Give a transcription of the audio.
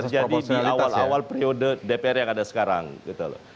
terjadi di awal awal periode dpr yang ada sekarang gitu loh